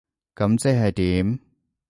噉即係點？